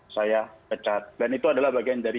saya pecat dan itu adalah bagian dari